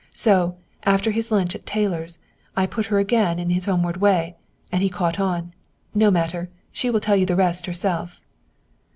So, after his lunch at Taylor's, I put her again onto his homeward way! And he's caught on! No matter! She will tell you the rest herself!"